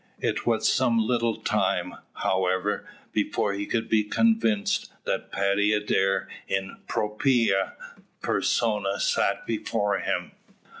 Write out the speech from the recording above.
It was some little time, however, before he could be convinced that Paddy Adair in propria persona sat before him.